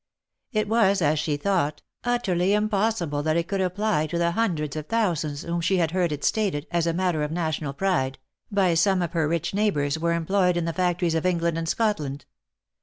It was, as she thought, utterly impossible that it could apply to the hundreds of thousands whom she had heard it stated, as a matter of national pride, by some of her rich neighbours, were employed in the factories of England and Scotland.